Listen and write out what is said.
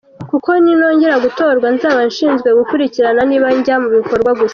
Kuko ninongera gutorwa nzaba nshinzwe gukurikirana niba ijya mu bikorwa gusa.